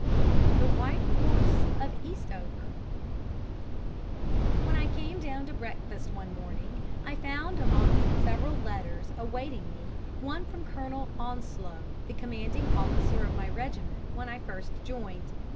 The White Horse of Eastover When I came down to breakfast one morning I found amongst several letters awaiting me one from Colonel Onslow, the Commanding Officer of my regiment when I first joined.